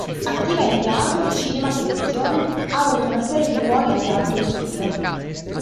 Attiva in teatro, cinema, televisione, ha avuto una serie di ruoli di alto profilo.